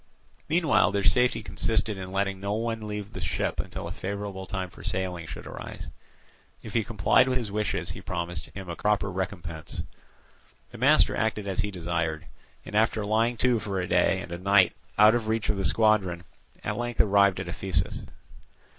Meanwhile their safety consisted in letting no one leave the ship until a favourable time for sailing should arise. If he complied with his wishes, he promised him a proper recompense. The master acted as he desired, and, after lying to for a day and a night out of reach of the squadron, at length arrived at Ephesus.